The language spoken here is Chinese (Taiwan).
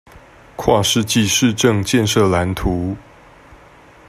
跨世紀市政建設藍圖